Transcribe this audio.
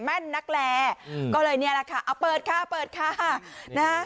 แม่นนักแลก็เลยเนี่ยแหละค่ะเอาเปิดค่ะเปิดค่ะนะฮะ